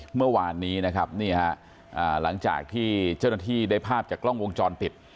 เมื่อวานนี้นะครับนี่ฮะหลังจากที่เจ้าหน้าที่ได้ภาพจากกล้องวงจรปิด